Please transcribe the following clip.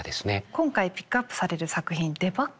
今回ピックアップされる作品「デバッガー」。